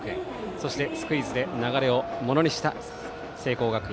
そして、スクイズで流れをものにした聖光学院。